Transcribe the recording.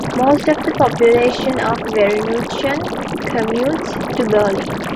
Most of the population of Werneuchen commutes to Berlin.